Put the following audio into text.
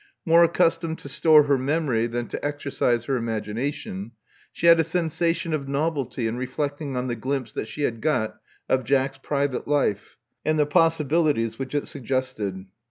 More accustomed to store her memory than to exercise her imagination she had a sensation of nov elty in reflecting on the glimpse that she had got of Jack's private life, and the possibilities which it suggested.